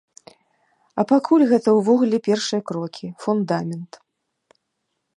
А пакуль гэта ўвогуле першыя крокі, фундамент.